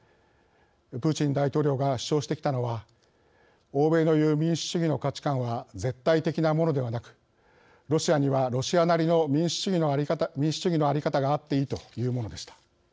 プーチン大統領が主張してきたのは欧米の言う民主主義の価値観は絶対的なものではなくロシアにはロシアなりの民主主義の在り方があっていいというものでした。